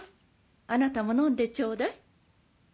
あなたも飲んでちょうだい。